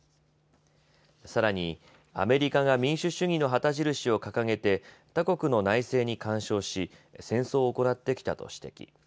さらに、アメリカが民主主義の旗印を掲げて他国の内政に干渉し戦争を行ってきたと指摘。